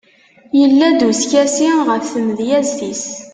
yella-d uskasi ɣef tmedyazt-is